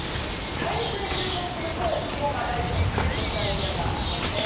大陸に注目すると雲がない、ぽっかりとしたエリアがありますね。